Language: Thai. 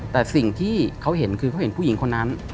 แต่สิ่งที่เขาเห็นคือเขาเห็นผู้หญิงคนนั้น